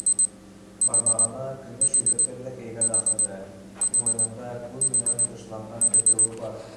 Бармағына көмөш йөҙөктәр ҙә кейгән ахыры, муйынында күн менән тышланған бетеүе бар.